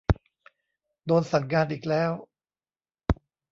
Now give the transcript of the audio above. โดนสั่งงานอีกแล้ว